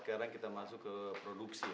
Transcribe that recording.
sekarang kita masuk ke produksi